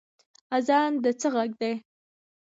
اذان د څه غږ دی؟